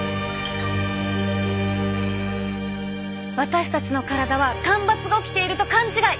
私たちの体は干ばつが起きていると勘違い！